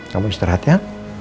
kamu istirahat ya